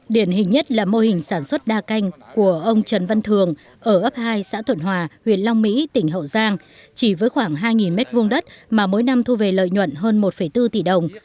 điển hình nhất là mô hình sản xuất đa canh của ông trần văn thường ở ấp hai xã thuận hòa huyện long mỹ tỉnh hậu giang chỉ với khoảng hai m hai đất mà mỗi năm thu về lợi nhuận hơn một bốn tỷ đồng